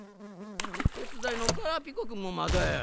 てつだいのガラピコくんもまだや。